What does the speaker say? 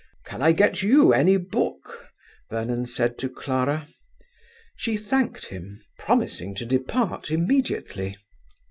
Can I get you any book?" Vernon said to Clara. She thanked him, promising to depart immediately.